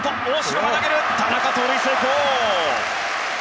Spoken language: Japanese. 田中、盗塁成功！